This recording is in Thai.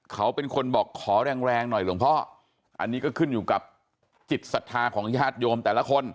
เขาเป็นคนบอกขอแรงแรงหน่อยหลวงพ่ออันนี้ก็ขึ้นอยู่กับจิตศรัทธาของญาติโยมแต่ละคน